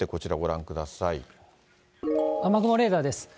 雨雲レーダーです。